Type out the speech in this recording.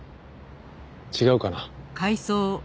違うかな？